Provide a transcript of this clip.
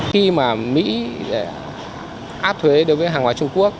khi mà mỹ áp thuế đối với hàng hóa trung quốc